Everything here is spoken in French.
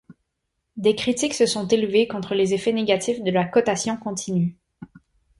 Des critiques se sont élevées contre les effets négatifs de la cotation continue.